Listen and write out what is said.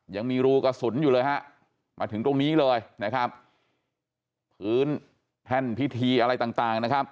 ยังมีรูกระสุนอยู่แล้วมาถึงตรงนี้เลยพื้นแท่นพิธีอะไรต่าง